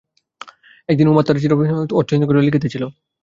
একদিন উমা দ্বার রুদ্ধ করিয়া এমনি কী একটা অর্থহীন তুচ্ছ কথা খাতায় লিখিতেছিল।